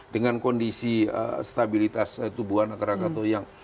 dengan kondisi stabilitas tubuhan anak krakatau